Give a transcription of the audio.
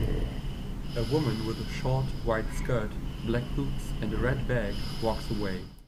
A woman with a short, white skirt, black boots and a red bag walks away.